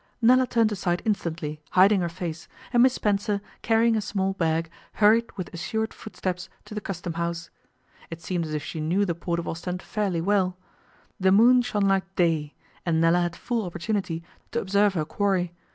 Nella turned aside instantly, hiding her face, and Miss Spencer, carrying a small bag, hurried with assured footsteps to the Custom House. It seemed as if she knew the port of Ostend fairly well. The moon shone like day, and Nella had full opportunity to observe her quarry.